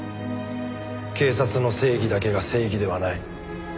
警察の正義だけが正義ではない。